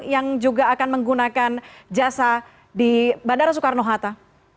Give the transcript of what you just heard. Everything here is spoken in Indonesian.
yang juga akan menggunakan jasa di bandara soekarno hatta